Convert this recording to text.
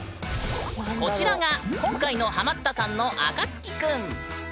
こちらが今回のハマったさんのあかつき君。